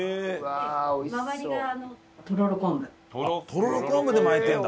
とろろ昆布で巻いてんだ。